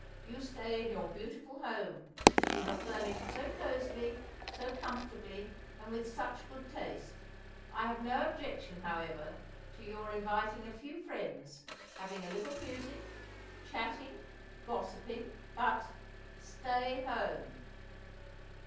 You stay in your beautiful home that you have furnished so cosily, so comfortably, and with such good taste. I have no objection, however, to your inviting a few friends, having a little music, chatting, gossiping, but stay home!"